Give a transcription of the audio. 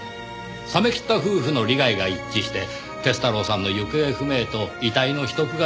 冷め切った夫婦の利害が一致して鐵太郎さんの行方不明と遺体の秘匿が実行されたんです。